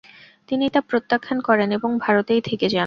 তিনি তা প্রত্যাখ্যান করেন এবং ভারতেই থেকে যান।